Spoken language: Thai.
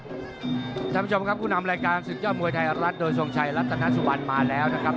ท่านผู้ชมครับคุณห้ามรายการศึกยอดมวยไทยอารัฐโดยสงชายรัฐนสวรรค์มาแล้วนะครับ